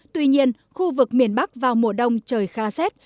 tuy nhiên khu vực miền bắc vào mùa đông trời khá rét